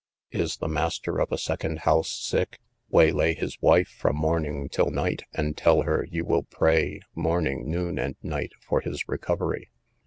"Is the master of a second house sick? waylay his wife from morning till night, and tell her you will pray, morning, noon, and night for his recovery.